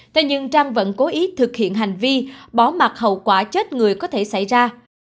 thế nhưng trang vẫn cố ý thực hiện hành vi bỏ mặt hậu quả chết người có thể xảy ra